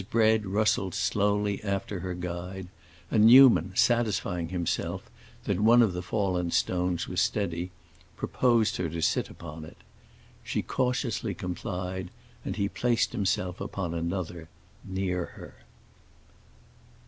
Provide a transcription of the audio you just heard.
Bread rustled slowly after her guide, and Newman, satisfying himself that one of the fallen stones was steady, proposed to her to sit upon it. She cautiously complied, and he placed himself upon another, near her.